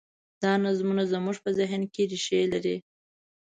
دا نظمونه زموږ په ذهن کې رېښې لري.